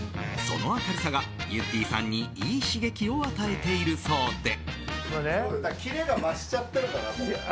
その明るさが、ゆってぃさんにいい刺激を与えているそうで。